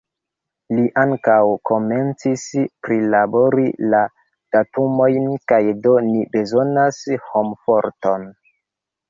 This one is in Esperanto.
Li ankaŭ komencis prilabori la datumojn kaj do ni bezonas homforton.